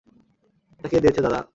এটা কে দিয়েছে, দাদা?